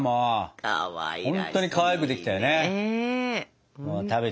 ほんとにかわいくできたよね！